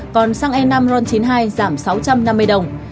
còn xăng e năm ron chín mươi hai giảm sáu trăm năm mươi đồng